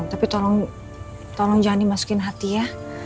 tapi tolong jangan dimasukin hati ya